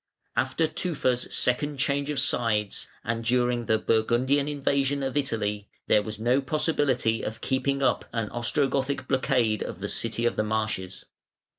After Tufa's second change of sides, and during the Burgundian invasion of Italy, there was no possibility of keeping up an Ostrogothic blockade of the city of the marshes.